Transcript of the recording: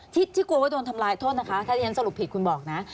ที่กลัวว่าโดนทำร้ายโทษนะคะถ้าที่ฉันสรุปผิดคุณบอกนะ